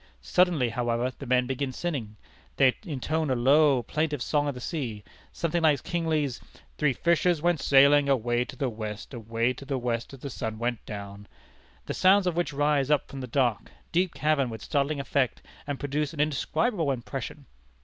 Suddenly, however, the men begin singing. They intone a low, plaintive song of the sea; something like Kingsley's 'Three fishers went sailing away to the West, Away to the West as the sun went down ' the sounds of which rise up from the dark, deep cavern with startling effect, and produce an indescribable impression.